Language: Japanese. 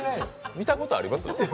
見たことあります